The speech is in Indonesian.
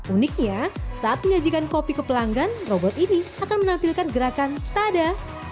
uniknya saat menyajikan kopi ke pelanggan robot ini akan menampilkan gerakan tada